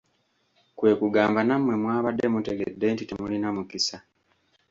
Kwe kugamba nammwe mwabadde mutegedde nti temulina mukisa.